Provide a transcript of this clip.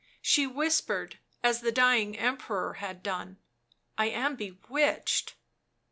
She whispered, as the dying Emperor had done —" I am bewitched."